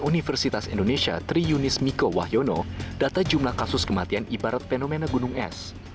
universitas indonesia tri yunis miko wahyono data jumlah kasus kematian ibarat fenomena gunung es